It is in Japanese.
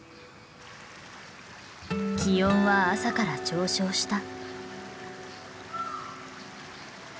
気温は朝から上昇した。